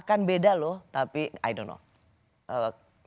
akan beda loh tapi i do know